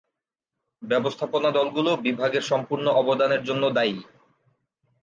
ব্যবস্থাপনা দলগুলো বিভাগের সম্পূর্ণ অবদানের জন্য দায়ী।